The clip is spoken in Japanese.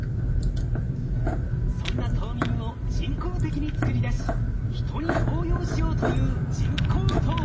そんな冬眠を人工的につくり出しヒトに応用しようという人工冬眠。